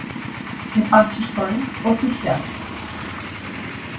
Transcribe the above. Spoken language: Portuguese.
repartições oficiais